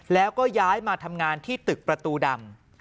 แล้วก็ย้ายมาทำงานที่ตึกประตูดำ